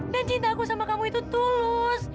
dan cinta aku sama kamu itu tulus